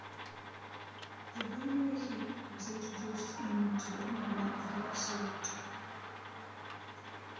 The binary heap was introduced in to implement the heapsort.